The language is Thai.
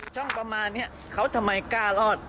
ช่องประมาณนี้เขาทำไมกล้ารอด